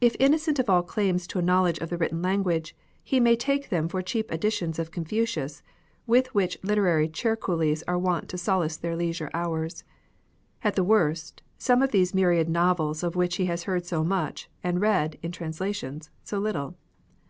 If innocent of all claims to a knowledge of the written lang uage, he may take them for cheap editions of Confucius, with which literary chair coolies are wont to solace their leisure hours ; at the worst, some of those myriad novels of which he has heard so much, and read — in translations — so little.